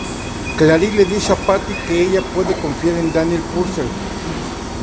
Claire le dice a Patty que ella puede confiar en Daniel Purcell.